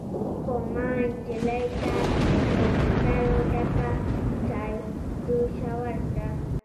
_خو ما نجلۍ ته د شيدو له چايو ډکه چايجوشه ورکړه.